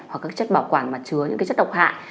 hoặc các chất bảo quản mà chứa những cái chất độc hại